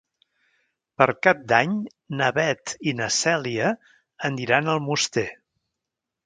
Per Cap d'Any na Beth i na Cèlia aniran a Almoster.